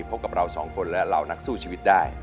พบกับเราสองคนและเหล่านักสู้ชีวิตได้